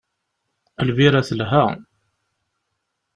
Lbira telha.